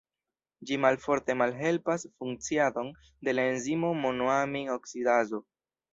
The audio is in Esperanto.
Ĝi malforte malhelpas funkciadon de la enzimo monoamin-oksidazo.